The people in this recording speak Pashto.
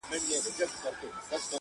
• يو بل نظر وړلاندي کيږي تل..